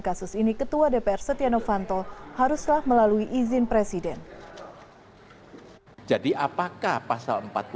kasus ini ketua dpr setia novanto haruslah melalui izin presiden jadi apakah pasal empat puluh